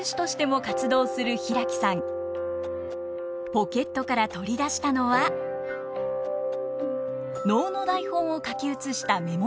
ポケットから取り出したのは能の台本を書き写したメモ用紙。